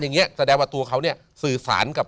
อย่างนี้แสดงว่าตัวเขาเนี่ยสื่อสารกับ